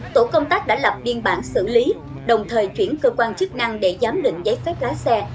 tổ công tác đã lập biên bản xử lý đồng thời chuyển cơ quan chức năng để giám định giấy phép lái xe